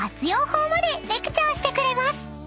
法までレクチャーしてくれます］